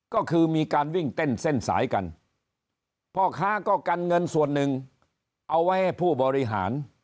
ก็คือมีการวิ่งเต้นเส้นสายกันพ่อค้าก็กันเงินส่วนหนึ่งเอาไว้ให้ผู้บริหาร